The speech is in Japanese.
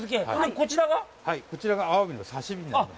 こちらがアワビの刺身になります。